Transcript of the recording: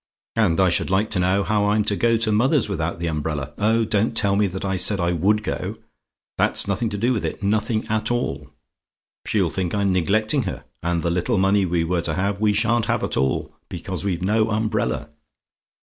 "And I should like to know how I'm to go to mother's without the umbrella! Oh, don't tell me that I said I WOULD go that's nothing to do with it; nothing at all. She'll think I'm neglecting her, and the little money we were to have we sha'n't have at all because we've no umbrella.